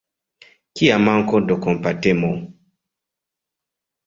Kia manko de kompatemo!